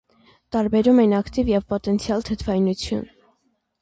Տարբերում են ակտիվ և պոտենցիալ թթվայնություն։